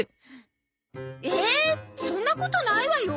そんなことないわよ！